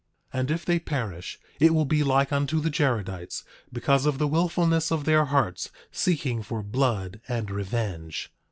9:23 And if they perish it will be like unto the Jaredites, because of the wilfulness of their hearts, seeking for blood and revenge.